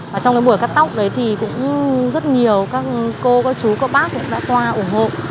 và trong cái buổi cắt tóc đấy thì cũng rất nhiều các cô các chú các bác cũng đã qua ủng hộ